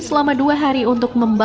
selama dua hari untuk membangun